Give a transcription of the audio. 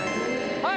はい